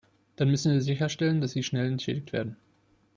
Dann müssen wir sicherstellen, dass sie schnell entschädigt werden.